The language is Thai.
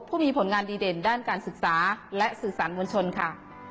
ผู้มีผลงานดีเด่นด้านการศึกษาและสื่อสารมวลชนค่ะ